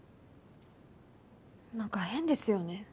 なんか変ですよね？